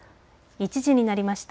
１時になりました。